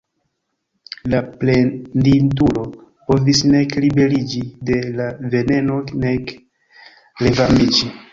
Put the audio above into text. La plendindulo povis nek liberiĝi de la veneno nek revarmiĝi.